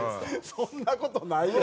そんな事ないよ。